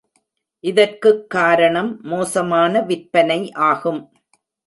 இதற்குக் காரணம் மோசமான விற்பனை ஆகும்.